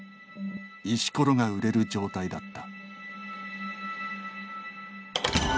石ころが売れる状態だった。